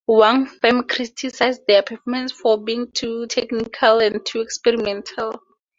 Wang Feng criticized their performance for being too technical and too experimental.